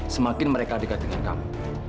semakin mereka dekat dengan kamu